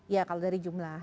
ya kalau dari jumlah